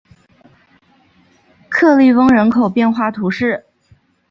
克利翁人口变化图示